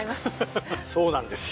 そうなんですよ。